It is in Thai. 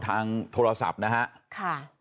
ทางโทรศัพท์นะฮะ